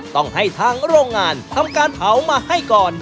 ต้องให้ทางโรงงานทำการเผามาให้ก่อน